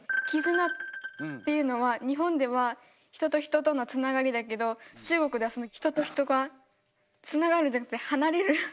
「絆」っていうのは日本では人と人とのつながりだけど中国ではその人と人が「つながる」じゃなくて「離れる」？